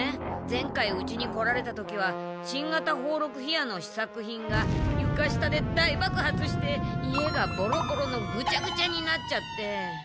前回うちに来られた時は新型宝禄火矢の試作品がゆか下で大ばく発して家がボロボロのグチャグチャになっちゃって。